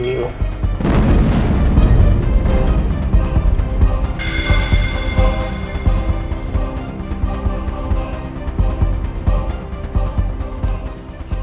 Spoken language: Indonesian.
nino adalah anaknya roy